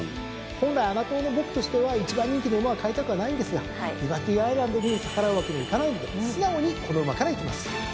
本来穴党の僕としては一番人気の馬は買いたくはないんですがリバティアイランドに逆らうわけにはいかないので素直にこの馬からいきます。